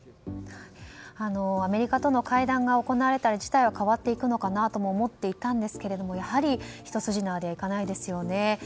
アメリカとの会談が行われたら事態は変わっていくのかなと思っていたんですがやはりひと筋縄ではいかないですよね。